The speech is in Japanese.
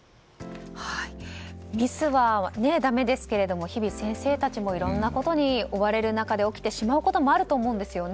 ミスはだめですけれども日々、先生たちもいろんなことに追われる中で起きてしまうこともあると思うんですよね。